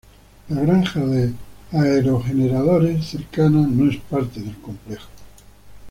La granja de aerogeneradores cercana no es parte del complejo.